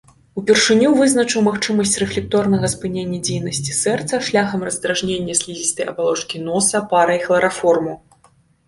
Упершыню вызначыў магчымасць рэфлекторнага спынення дзейнасці сэрца шляхам раздражнення слізістай абалонкі носа парай хлараформу.